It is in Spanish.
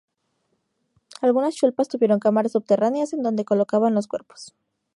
Algunas chullpas tuvieron cámaras subterráneas en donde colocaban los cuerpos.